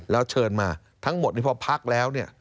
แล้วเชิญมาทั้งหมดนี้พอภัคแล้ว